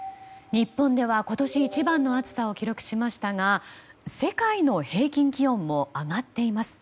日本では今年一番の暑さを記録しましたが世界の平均気温も上がっています。